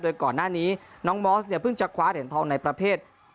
โดยก่อนหน้านี้น้องมอสเนี่ยเพิ่งจะคว้าเหรียญทองในประเภท